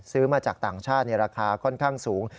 ซื้อมาจากต่างชาติราคาค่อนข้างสูง